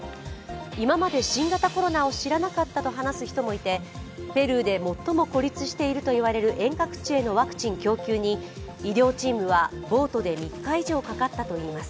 今まで新型コロナを知らなかったと話す人もいてペルーで最も孤立していると言われる遠隔地へのワクチン供給に医療チームはボートで３日以上かかったといいます。